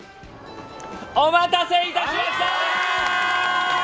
お待たせいたしました。